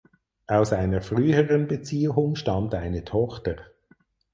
Aus einer früheren Beziehung stammt eine Tochter.